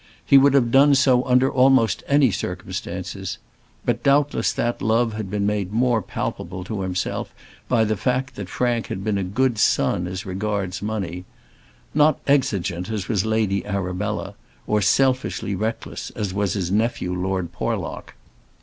He would have done so under almost any circumstances; but, doubtless, that love had been made more palpable to himself by the fact that Frank had been a good son as regards money not exigeant as was Lady Arabella, or selfishly reckless as was his nephew Lord Porlock.